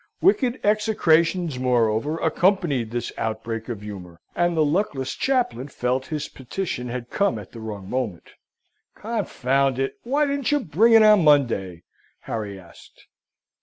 Wicked execrations, moreover, accompanied this outbreak of humour, and the luckless chaplain felt that his petition had come at the wrong moment. "Confound it, why didn't you bring it on Monday?" Harry asked.